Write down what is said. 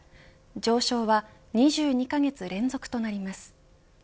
上昇は２２カ月連続となります。